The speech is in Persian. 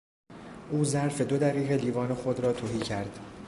او ظرف دو دقیقه لیوان خود را تهی کرد.